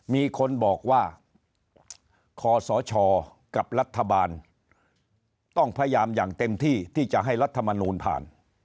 มีคนบอกว่าคศกับรัฐบาลต้องพยายามอย่างเต็มที่ที่จะให้รัฐมนูลผ่าน